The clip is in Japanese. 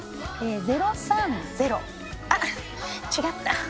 ０３０あっ違った。